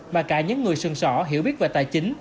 mà cả những người sừng sỏ hiểu biết về tài chính